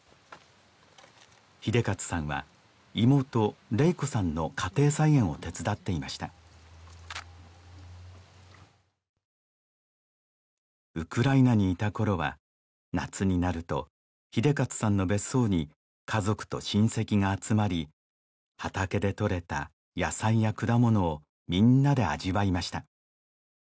英捷さんは妹レイ子さんの家庭菜園を手伝っていましたウクライナにいた頃は夏になると英捷さんの別荘に家族と親戚が集まり畑でとれた野菜や果物をみんなで味わいました